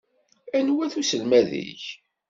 Anwa-t uselmad-ik?